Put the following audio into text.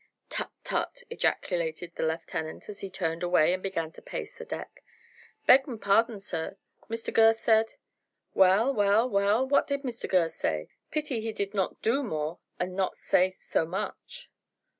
"Tut, tut!" ejaculated the lieutenant as he turned away and began to pace the deck. "Beg'n' pardon, sir, Mr Gurr said " "Well, well, well, what did Mr Gurr say? Pity he did not do more and not say so much."